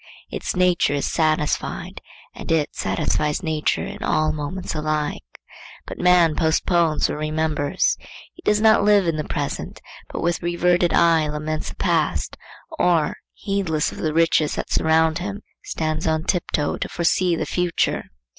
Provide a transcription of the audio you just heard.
Its nature is satisfied and it satisfies nature in all moments alike. But man postpones or remembers; he does not live in the present, but with reverted eye laments the past, or, heedless of the riches that surround him, stands on tiptoe to foresee the future.